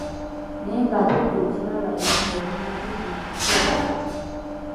Naye ng'ate ggwe okiraba era ng'oli mumativu mu kyo.